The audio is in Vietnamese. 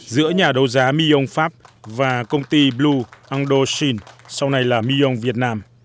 giữa nhà đấu giá millon pháp và công ty blue ando shin sau này là millon việt nam